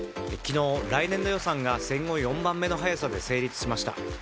昨日、来年度予算が戦後４番目の早さで成立しました。